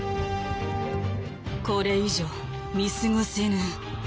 「これ以上見過ごせぬ」。